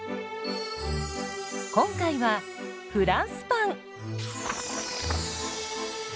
今回はフランスパン。